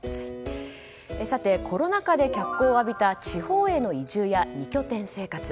コロナ禍で脚光を浴びた地方への移住や２拠点生活。